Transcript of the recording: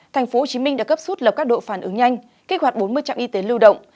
tp hcm đã cấp suốt lập các độ phản ứng nhanh kế hoạch bốn mươi trạm y tế lưu động